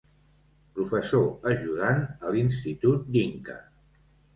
Professor ajudant a l'Institut d'Inca.